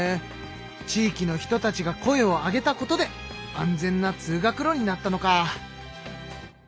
地域の人たちが声を上げたことで安全な通学路になったのか。